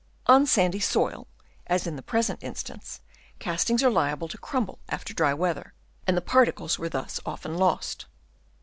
On sandy soil, as in the present instance, castings are liable to crumble after dry weather, and particles were thus often lost.